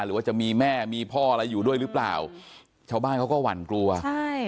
หรือว่าจะมีแม่มีพ่ออะไรอยู่ด้วยหรือเปล่าชาวบ้านเขาก็หวั่นกลัวใช่